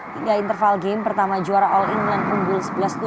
tiga interval game pertama juara all england unggul sebelas tujuh